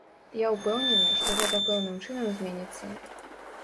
Я ўпэўнены, што гэта пэўным чынам зменіцца.